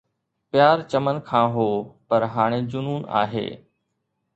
پيار چمن کان هو پر هاڻي جنون آهي